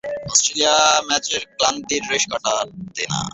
Australia ম্যাচের ক্লান্তির রেশ কাটতে না-কাটতেই আরেকটি ম্যাচে নামাটা ছিল কঠিন।